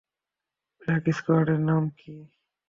Black স্কোয়াডের নাম শুনেছেন?